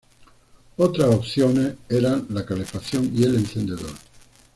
Otras opciones eran la calefacción y el encendedor.